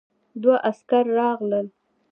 دوه عسکر راغلل.